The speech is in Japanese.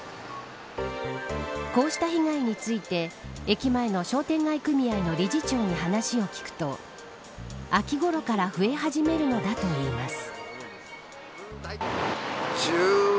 こうした被害について駅前の商店街組合の理事長に話を聞くと秋ごろから増え始めるのだといいます。